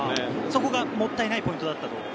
そこがもったいないポイントだったと。